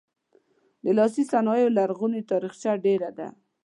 د لاسي صنایعو لرغونې تاریخچه ډیره ده.